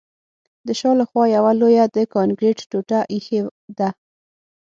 د شا له خوا یوه لویه د کانکریټ ټوټه ایښې ده